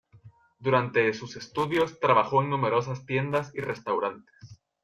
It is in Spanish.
Durante sus estudios, trabajó en numerosas tiendas y restaurantes.